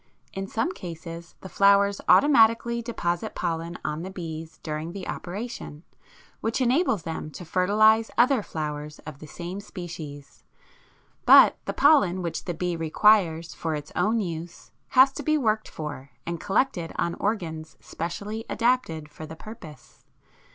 In some cases the flowers automatically deposit pollen on the bees during the operation, which enables them to fertilize other flowers of the same species, but the pollen which the bee requires for its own use has to be worked for and collected on organs specially adapted for the purpose.